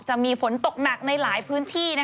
จะมีฝนตกหนักในหลายพื้นที่